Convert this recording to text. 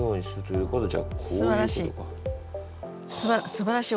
すばらしい。